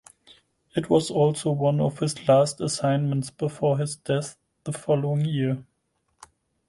It was also one of his last assignments before his death the following year.